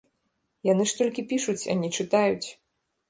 Яны ж толькі пішуць, а не чытаюць.